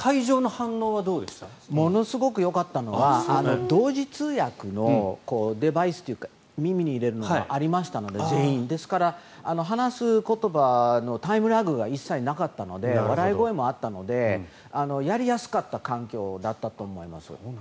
ものすごくよかったのは同時通訳のデバイスというか耳に入れるのがありましたので話す言葉のタイムラグが一切なかったので笑い声もあったのでやりやすかった環境だったと思います。